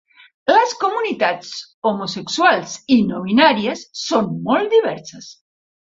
Les comunitats homosexuals i no binàries són molt diverses.